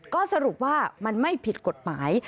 ก็สรุปว่ามันไม่ผิดกฎหมาย